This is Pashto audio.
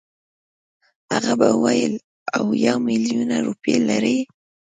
هغه به ویل اویا میلیونه روپۍ لري.